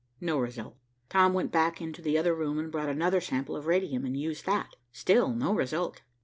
No result. Tom went back into the other room and brought another sample of radium and used that. Still no result.